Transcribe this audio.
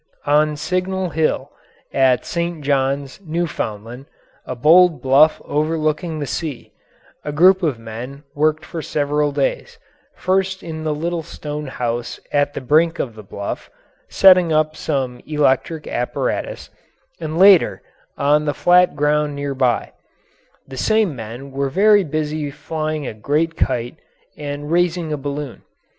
On Signal Hill, at St. Johns, Newfoundland a bold bluff overlooking the sea a group of men worked for several days, first in the little stone house at the brink of the bluff, setting up some electric apparatus; and later, on the flat ground nearby, the same men were very busy flying a great kite and raising a balloon.